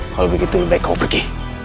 kalau begitu lebih baik kau pergi